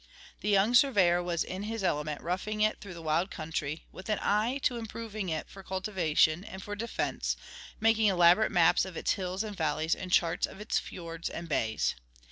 The young surveyor was in his element roughing it through the wild country, with an eye to improving it for cultivation and for defense, making elaborate maps of its hills and valleys, and charts of its fiords and bays.